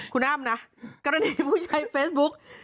คุณอ้ำนะกรณีผู้ใช้เฟซบุ๊ก